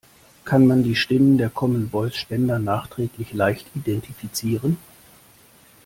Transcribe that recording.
Kann man die Stimmen der Common Voice Spender nachträglich leicht identifizieren?